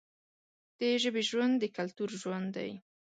د ژبې ژوند د کلتور ژوند دی.